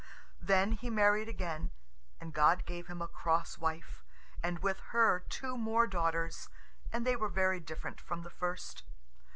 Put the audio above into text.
Then he married again, and God gave him a cross wife, and with her two more daughters, and they were very different from the first.